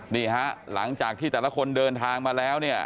นี่ฮะหลังจากที่แต่ละคนเดินทางมาแล้วเนี่ย